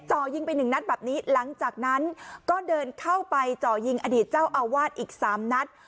จ่อยิงไปหนึ่งนัดแบบนี้หลังจากนั้นก็เดินเข้าไปจ่อยิงอดีตเจ้าอาวาสอีกสามนัด